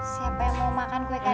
siapa yang mau makan kue kadaluarsa mak